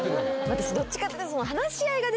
私どっちかっていうと。